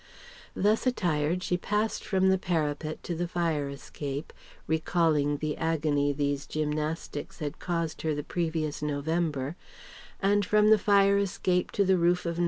Thus attired she passed from the parapet to the fire escape (recalling the agony these gymnastics had caused her the previous November), and from the fire escape to the roof of No.